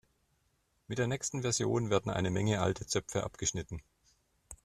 Mit der nächsten Version werden eine Menge alte Zöpfe abgeschnitten.